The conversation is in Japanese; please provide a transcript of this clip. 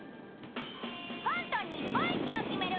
コント日本一を決める